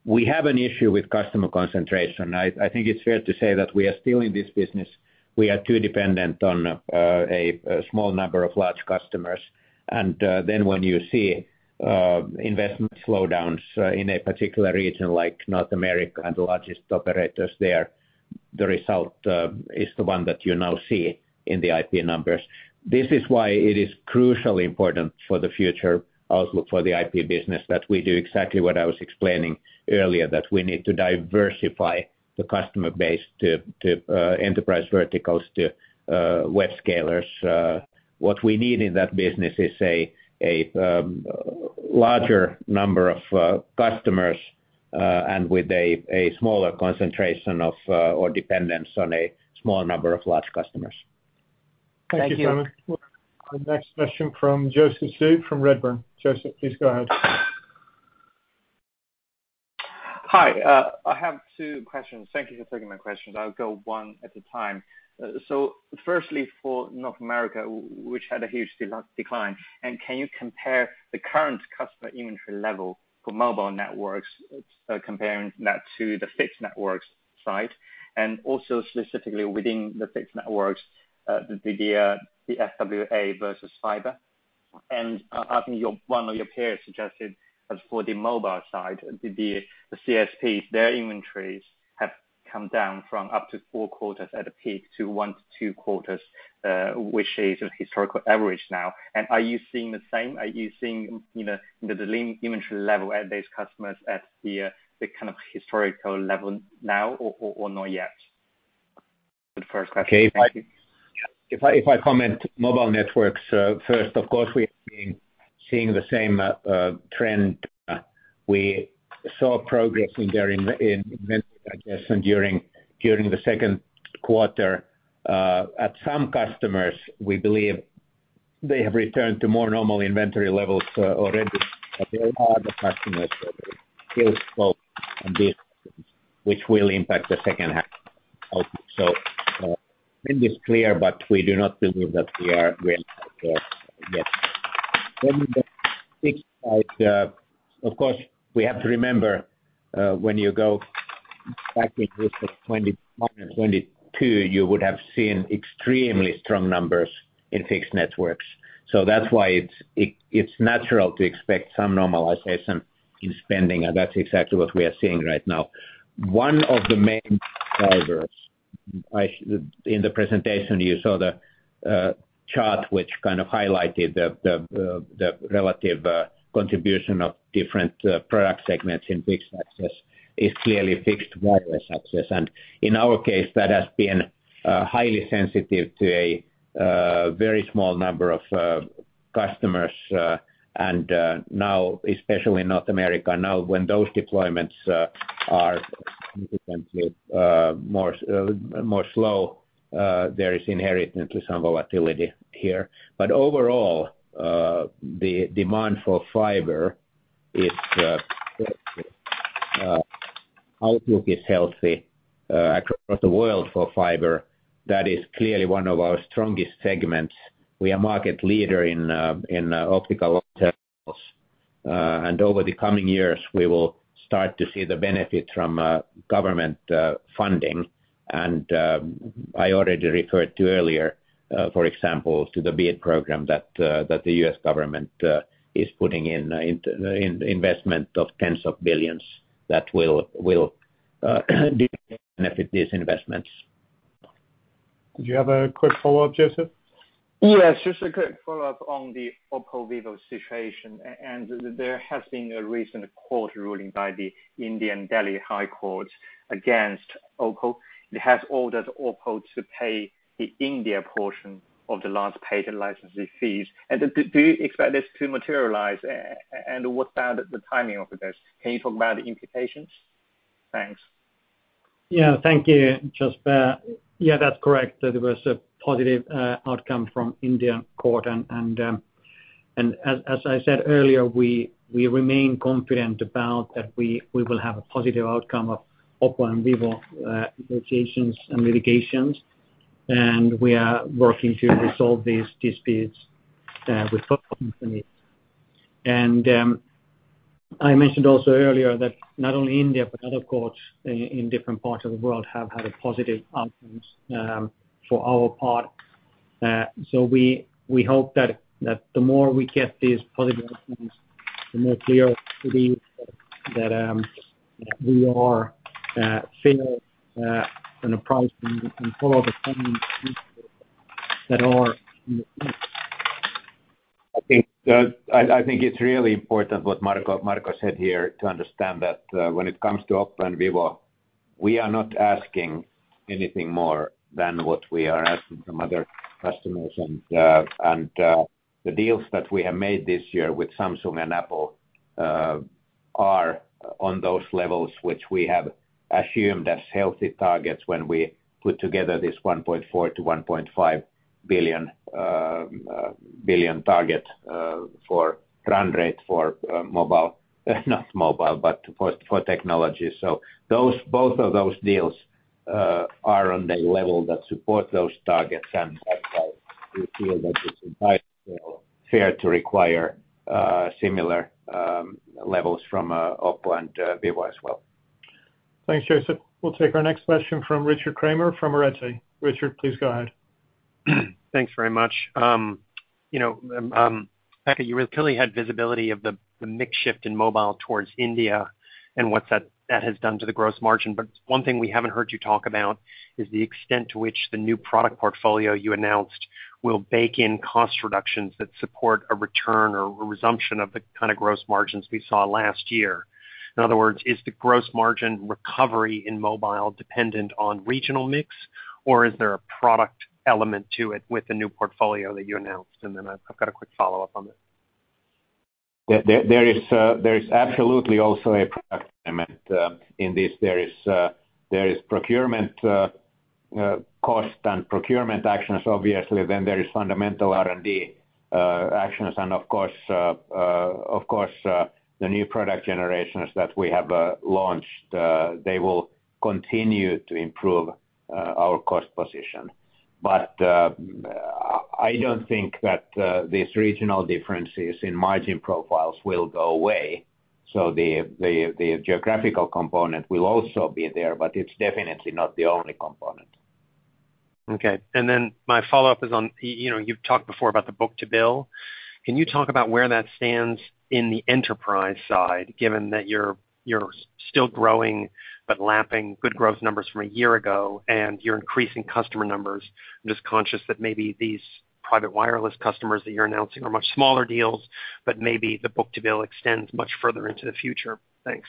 We have an issue with customer concentration. I think it's fair to say that we are still in this business, we are too dependent on a small number of large customers. Then when you see investment slowdowns in a particular region like North America and the largest operators there, the result is the one that you now see in the IP numbers. This is why it is crucially important for the future outlook for the IP business, that we do exactly what I was explaining earlier, that we need to diversify the customer base to enterprise verticals, to web scalers. What we need in that business is a larger number of customers, and with a smaller concentration or dependence on a small number of large customers. Thank you. Our next question from Joseph Zhou from Redburn. Joseph, please go ahead. Hi, I have two questions. Thank you for taking my questions. I'll go one at a time. Firstly, for North America, which had a huge decline, can you compare the current customer inventory level for Mobile Networks, comparing that to the Fixed Networks side? Also specifically within the Fixed Networks, the FWA versus fiber? I think your, one of your peers suggested that for the mobile side, the CSPs, their inventories have come down from up to 4 quarters at a peak to 1-2 quarters, which is a historical average now. Are you seeing the same? Are you seeing, you know, the inventory level at these customers at the kind of historical level now, or not yet? The first question. If I comment Mobile Networks, first, of course, we have been seeing the same trend. We saw progress in their inventory digestion during the second quarter. At some customers, we believe they have returned to more normal inventory levels already. There are other customers that are still slow on this, which will impact the second half. It is clear, but we do not believe that we are where yet. Of course, we have to remember, when you go back in with 2021 and 2022, you would have seen extremely strong numbers in Fixed Networks. That's why it's natural to expect some normalization in spending, and that's exactly what we are seeing right now. One of the main drivers, in the presentation, you saw the chart which kind of highlighted the relative contribution of different product segments in fixed access, is clearly fixed wireless access. In our case, that has been highly sensitive to a very small number of customers, and now, especially in North America. When those deployments are significantly more slow, there is inherently some volatility here. Overall, the demand for fiber is outlook is healthy across the world for fiber. That is clearly one of our strongest segments. We are market leader in optical OLTs. Over the coming years, we will start to see the benefit from government funding. I already referred to earlier, for example, to the BEAD program that the U.S. government is putting in investment of tens of billions that will benefit these investments. Did you have a quick follow-up, Joseph? Yes, just a quick follow-up on the Oppo Vivo situation, and there has been a recent court ruling by the Indian Delhi High Court against Oppo. It has ordered Oppo to pay the India portion of the last patent licensing fees. Do you expect this to materialize? What about the timing of this? Can you talk about the implications? Thanks. Yeah, thank you, Joseph. Yeah, that's correct. There was a positive outcome from India court. As I said earlier, we remain confident about that we will have a positive outcome of Oppo and Vivo negotiations and litigations, and we are working to resolve these disputes with both companies. I mentioned also earlier, that not only India, but other courts in different parts of the world, have had a positive outcomes for our part. We hope that the more we get these positive outcomes, the more clear to believe that we are seeing an approach and follow the patterns that are. I think it's really important what Marco said here, to understand that when it comes to Oppo and Vivo, we are not asking anything more than what we are asking from other customers. The deals that we have made this year with Samsung and Apple are on those levels, which we have assumed as healthy targets when we put together this 1.4 billion-1.5 billion target for run rate for mobile. Not mobile, but for technology. Both of those deals are on a level that support those targets, and that's why we feel that it's entire fair to require similar levels from Oppo and Vivo as well. Thanks, Joseph. We'll take our next question from Richard Kramer from Arete Research. Richard, please go ahead. Thanks very much. You know, you really clearly had visibility of the mix shift in mobile towards India and what that has done to the gross margin. One thing we haven't heard you talk about is the extent to which the new product portfolio you announced will bake in cost reductions that support a return or a resumption of the kind of gross margins we saw last year. In other words, is the gross margin recovery in mobile dependent on regional mix, or is there a product element to it with the new portfolio that you announced? I've got a quick follow-up on this. There is absolutely also a product element in this. There is procurement cost and procurement actions, obviously. There is fundamental R&D actions, and of course, of course, the new product generations that we have launched, they will continue to improve our cost position. I don't think that these regional differences in margin profiles will go away. The geographical component will also be there, but it's definitely not the only component. Okay. Then my follow-up is on, you know, you've talked before about the book-to-bill. Can you talk about where that stands in the enterprise side, given that you're still growing but lapping good growth numbers from a year ago, and you're increasing customer numbers? I'm just conscious that maybe these private wireless customers that you're announcing are much smaller deals, but maybe the book-to-bill extends much further into the future. Thanks.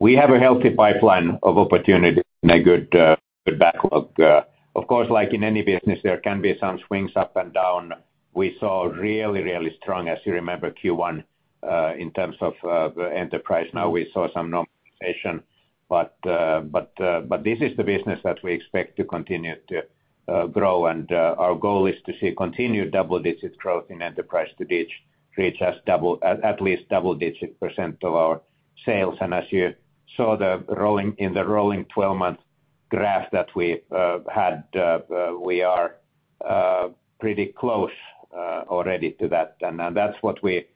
We have a healthy pipeline of opportunity and a good backlog. Of course, like in any business, there can be some swings up and down. We saw really strong, as you remember, Q1 in terms of the enterprise. Now, we saw some normalization, but, but this is the business that we expect to continue to grow. Our goal is to see continued double-digit growth in enterprise to reach us double, at least double-digit % of our sales. As you saw the rolling, in the rolling 12-month graph that we had, we are pretty close already to that. That's what we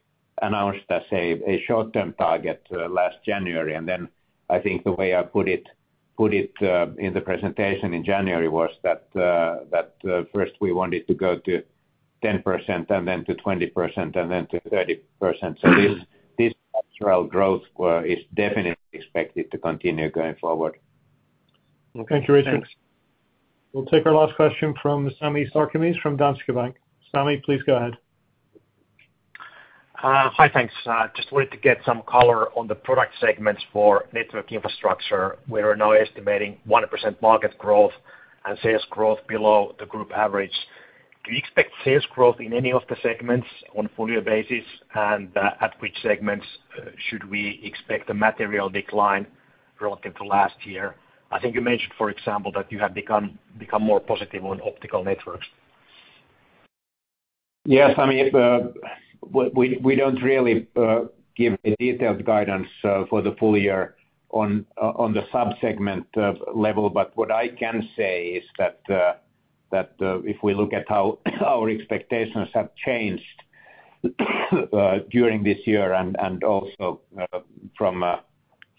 announced as a short-term target last January. I think the way I put it in the presentation in January was that, first we wanted to go to 10% and then to 20%, and then to 30%. This structural growth score is definitely expected to continue going forward. Okay, thanks. Thank you, Ritu. We'll take our last question from Sami Sarkamies from Danske Bank. Sami, please go ahead. Hi, thanks. Just wanted to get some color on the product segments for Network Infrastructure. We are now estimating 1% market growth and sales growth below the group average. Do you expect sales growth in any of the segments on a full year basis? At which segments should we expect a material decline relative to last year? I think you mentioned, for example, that you have become more positive on Optical Networks. Yes, I mean, if we don't really give a detailed guidance for the full year on the sub-segment level. What I can say is that if we look at how our expectations have changed during this year and also from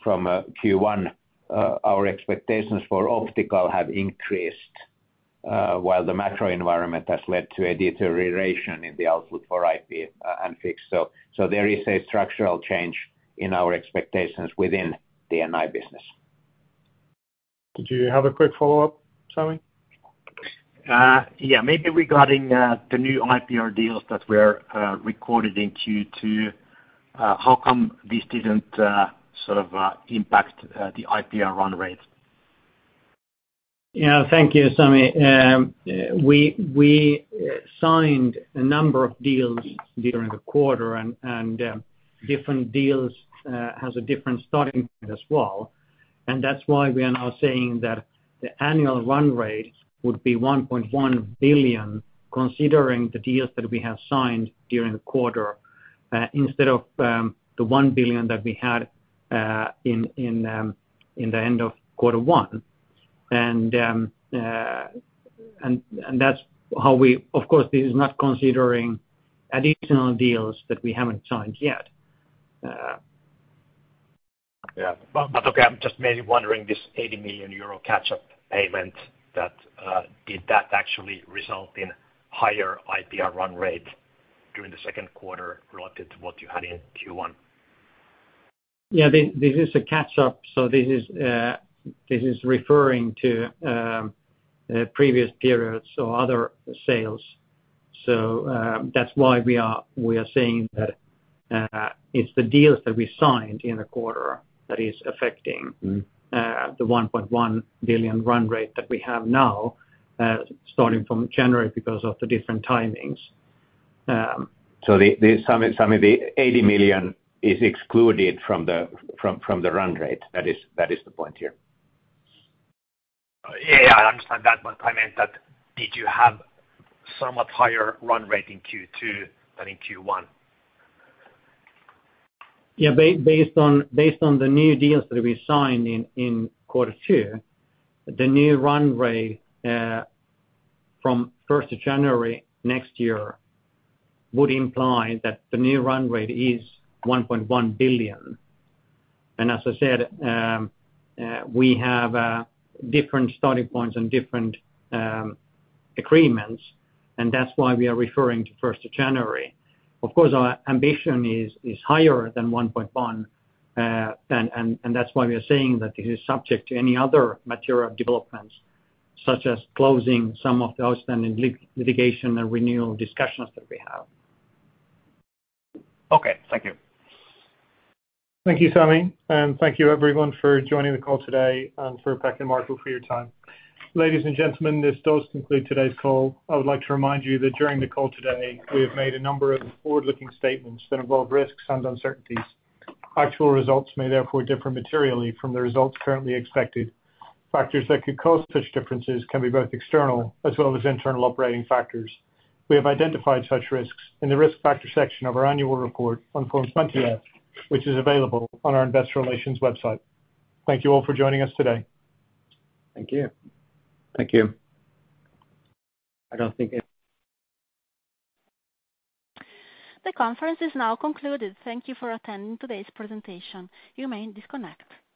Q1, our expectations for optical have increased while the macro environment has led to a deterioration in the outlook for IP and fixed. There is a structural change in our expectations within the NI business. Did you have a quick follow-up, Sami? Yeah, maybe regarding the new IPR deals that were recorded in Q2. How come this didn't sort of impact the IPR run rate? Thank you, Sami. We signed a number of deals during the quarter and different deals has a different starting point as well. That's why we are now saying that the annual run rate would be 1.1 billion, considering the deals that we have signed during the quarter, instead of the 1 billion that we had in the end of quarter one. That's how we. Of course, this is not considering additional deals that we haven't signed yet. Yeah. Okay, I'm just maybe wondering, this 80 million euro catch-up payment that did that actually result in higher IPR run rate during the second quarter relative to what you had in Q1? This is a catch-up. This is referring to previous periods or other sales. That's why we are saying that it's the deals that we signed in the quarter that is. Mm. the 1.1 billion run rate that we have now, starting from January, because of the different timings. The sum, Sami, the 80 million is excluded from the run rate. That is the point here. Yeah, yeah, I understand that, but I meant that, did you have somewhat higher run rate in Q2 than in Q1? Yeah, based on the new deals that we signed in quarter two, the new run rate from first of January next year, would imply that the new run rate is 1.1 billion. As I said, we have different starting points and different agreements, and that's why we are referring to first of January. Of course, our ambition is higher than 1.1. That's why we are saying that this is subject to any other material developments, such as closing some of the outstanding litigation and renewal discussions that we have. Okay. Thank you. Thank you, Sami, and thank you everyone for joining the call today, and for Pekka and Marco Wirén for your time. Ladies and gentlemen, this does conclude today's call. I would like to remind you that during the call today, we have made a number of forward-looking statements that involve risks and uncertainties. Actual results may therefore differ materially from the results currently expected. Factors that could cause such differences can be both external, as well as internal operating factors. We have identified such risks in the risk factor section of our annual report on Form 20-F, which is available on our investor relations website. Thank you all for joining us today. Thank you. Thank you. I don't think. The conference is now concluded. Thank you for attending today's presentation. You may disconnect.